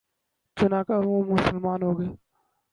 چنانچہ وہ مسلمان ہو گیا